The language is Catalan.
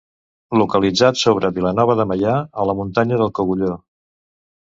Localitzat sobre Vilanova de Meià, a la muntanya del Cogulló.